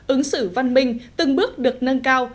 ứng xử văn minh từng bước được nâng cao